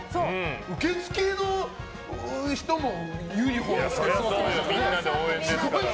受付の人もユニホーム着てました。